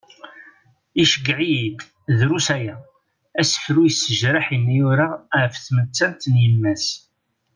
Iceyyeε-iyi-d, drus aya, asefru yessejraḥen i yura af tmettant n yemma-s.